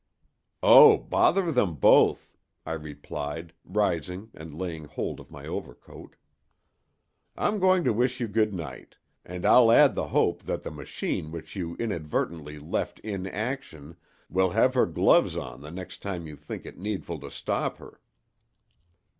"O bother them both!" I replied, rising and laying hold of my overcoat. "I'm going to wish you good night; and I'll add the hope that the machine which you inadvertently left in action will have her gloves on the next time you think it needful to stop her."